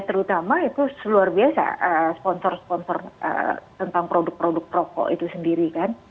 terutama itu luar biasa sponsor sponsor tentang produk produk rokok itu sendiri kan